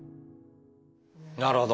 なるほど。